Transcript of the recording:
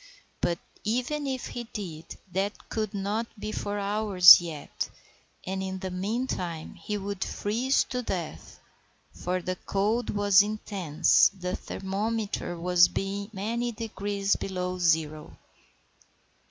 But, even if he did, that could not be for hours yet, and in the meantime he would freeze to death; for the cold was intense, the thermometer being many degrees below zero.